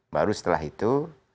baru setelah itu